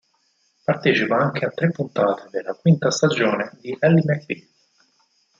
Partecipa anche a tre puntate della quinta stagione di "Ally McBeal".